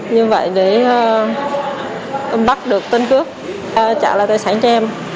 như vậy để em bắt được tên cướp trả lại tài sản cho em